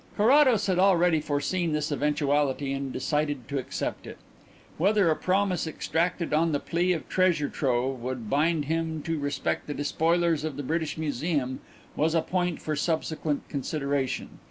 Carrados had already foreseen this eventuality and decided to accept it. Whether a promise exacted on the plea of treasure trove would bind him to respect the despoilers of the British Museum was a point for subsequent consideration.